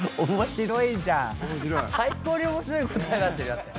最高に面白い答え出してるよ。